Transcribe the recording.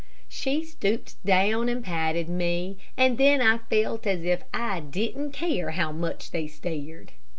She stooped down and patted me, and then I felt as if I didn't care how much they stared.